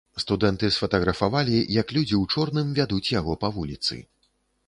Студэнты сфатаграфавалі, як людзі ў чорным вядуць яго па вуліцы.